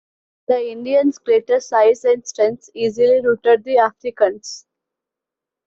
The Indian's greater size and strength easily routed the Africans.